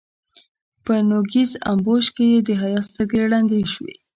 په نوږيز امبوش کې يې د حيا سترګې ړندې شوې.